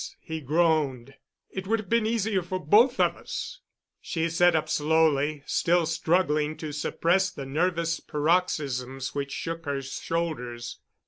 he groaned. "It would have been easier for both of us." She sat up slowly, still struggling to suppress the nervous paroxysms which shook her shoulders.